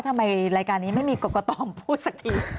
ทำไมรายการนี้ไม่มีกรกฎอมพูดสักที